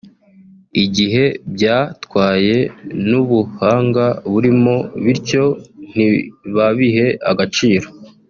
igihe byatwaye n’ubuhanga burimo bityo ntibabihe agaciro